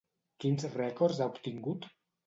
Quins rècords ha obtingut?